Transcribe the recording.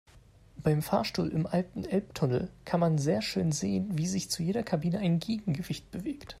Beim Fahrstuhl im alten Elbtunnel kann man sehr schön sehen, wie sich zu jeder Kabine ein Gegengewicht bewegt.